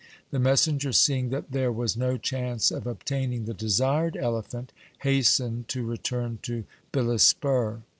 The messenger seeing that there was no chance of obtaining the desired elephant hastened to return to Bilaspur.